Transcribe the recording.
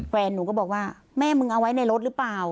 แฟนหนูก็บอกว่าแม่มึงเอาไว้ในรถหรือเปล่า